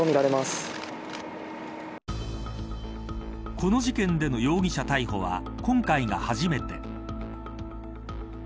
この事件での容疑者逮捕は今回が初めて。